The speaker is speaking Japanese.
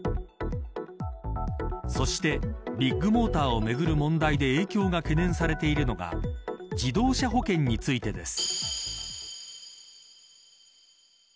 そして、ビッグモーターをめぐる問題で影響が懸念されているのが自動車保険についてです。